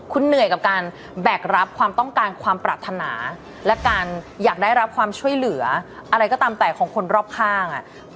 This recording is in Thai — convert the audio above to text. คุณเหนื่อยกับการแบกรับความต้องการความปรารถนาและการอยากได้รับความช่วยเหลืออะไรก็ตามแต่ของคนรอบข้าง